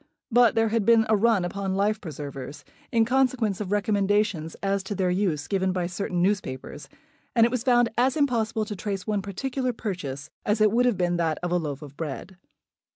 But there had been a run upon life preservers, in consequence of recommendations as to their use given by certain newspapers; and it was found as impossible to trace one particular purchase as it would be that of a loaf of bread.